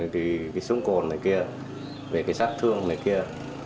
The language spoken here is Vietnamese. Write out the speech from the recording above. vì cái súng cồn này kia về cái sát thương này kia